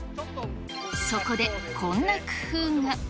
そこで、こんな工夫が。